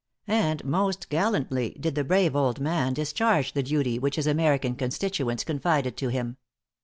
And most gallantly did the brave old man discharge the duty which his American constituents confided to him.